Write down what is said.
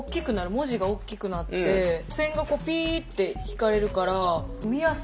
文字が大きくなって線がピーって引かれるから見やすい。